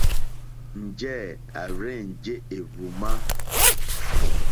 Njɛ̂ à rzênjé èhwùmá.